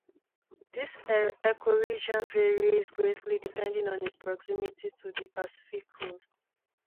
This ecoregion varies greatly depending on its proximity to the Pacific coast.